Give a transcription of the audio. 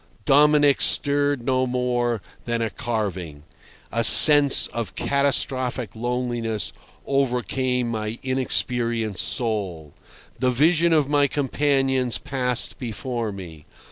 Dominic stirred no more than a carving. A sense of catastrophic loneliness overcame my inexperienced soul. The vision of my companions passed before me.